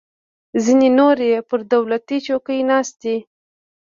ځینې نور یې پر دولتي چوکیو ناست دي.